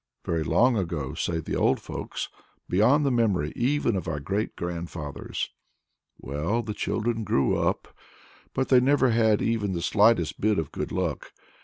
Very long ago, say the old folks; beyond the memory even of our great grandfathers. Well, the children grew up, but they never had even the slightest bit of good luck.